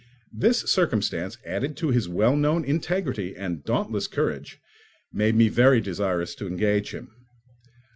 This circumstance, added to his well known integrity and dauntless courage, made me very desirous to engage him.